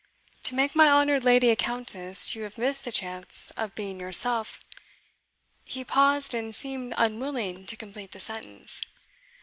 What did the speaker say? To make my honoured lady a countess, you have missed the chance of being yourself " He paused, and seemed unwilling to complete the sentence.